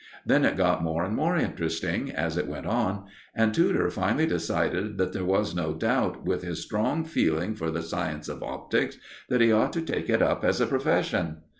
Then it got more and more interesting, as it went on, and Tudor finally decided that there was no doubt, with his strong feeling for the science of optics, that he ought to take it up as a profession.